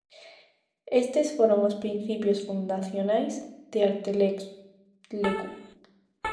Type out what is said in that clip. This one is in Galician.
Estes foron os principios fundacionais de Arteleku.